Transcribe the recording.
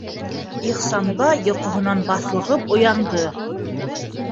Ихсанбай йоҡоһонан баҫлығып уянды.